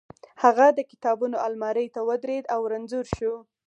هغه د کتابونو المارۍ ته ودرېد او رنځور شو